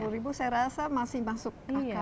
lima puluh ribu saya rasa masih masuk akal ya